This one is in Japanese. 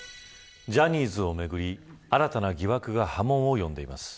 ジャニーズをめぐり新たな疑惑が波紋を呼んでいます。